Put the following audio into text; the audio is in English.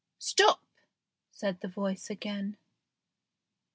"Stop!" said the voice again.